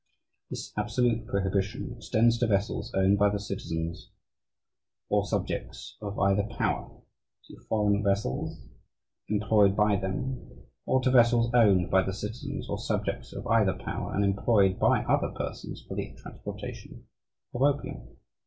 This absolute prohibition ... extends to vessels owned by the citizens or subjects of either power, to foreign vessels employed by them, or to vessels owned by the citizens or subjects of either power and employed by other persons for the transportation of opium."